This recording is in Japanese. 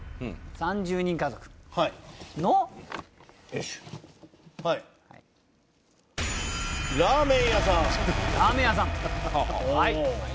「３０人家族のラーメン屋さん」。